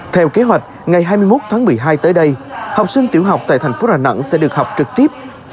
theo kế hoạch ngày hai mươi một tháng một mươi hai tới đây học sinh tiểu học tại thành phố đà nẵng sẽ được học trực tiếp